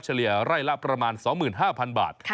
เลียไร่ละประมาณ๒๕๐๐๐บาท